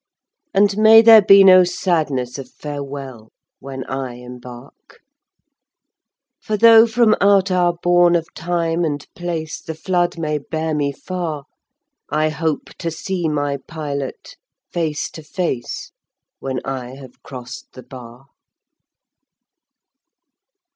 And may there be no sadness of farewell; When I embark; For tho' from out our bourne of Time and Place The flood may bear me far, I hope to see my pilot face to face When I have crossed the bar.